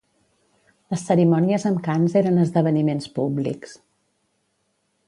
Les cerimònies amb cants eren esdeveniments públics.